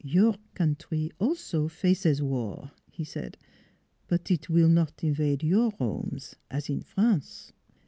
" Your country also faces war," he said. " But eet will not invade your 'omes, as in France."